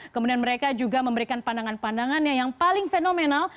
kemudian mereka juga memberikan pandangan pandangannya yang paling fenomenal